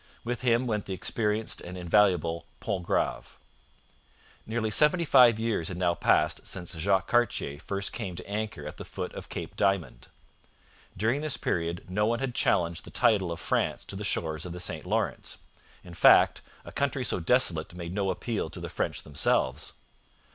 With him went the experienced and invaluable Pontgrave. Nearly seventy five years had now passed since Jacques Cartier first came to anchor at the foot of Cape Diamond. During this period no one had challenged the title of France to the shores of the St Lawrence; in fact, a country so desolate made no appeal to the French themselves.